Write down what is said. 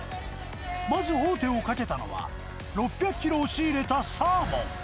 まず王手をかけたのは、６００キロを仕入れたサーモン。